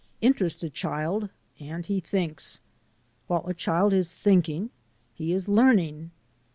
Interest a child and he thinks. While a child is thinking he is learning.